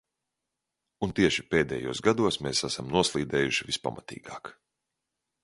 Un tieši pēdējos gados mēs esam noslīdējuši vispamatīgāk.